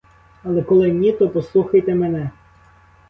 Але коли ні, то послухайте мене.